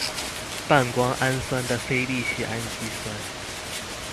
半胱氨酸的非必需氨基酸。